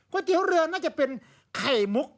เตี๋ยวเรือน่าจะเป็นไข่มุก